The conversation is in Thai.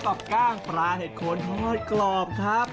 กับกล้างปลาเห็ดโคนทอดกรอบครับ